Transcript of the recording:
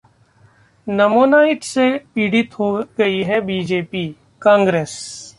'pneumonitis' से पीड़ित हो गई है बीजेपीः कांग्रेस